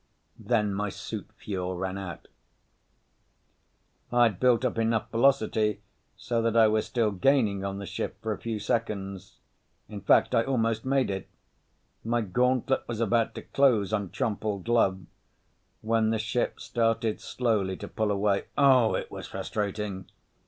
Then my suit fuel ran out. I'd built up enough velocity so that I was still gaining on the ship for a few seconds. In fact, I almost made it. My gauntlet was about to close on Trompled Love when the ship started slowly to pull away. Oh, it was frustrating!